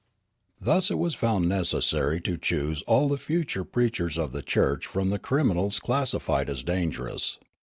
Thus it was found necessary to choose all the future preachers of the church from the criminals classified as dangerous.